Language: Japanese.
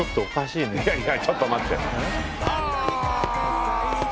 いやいやちょっと待って。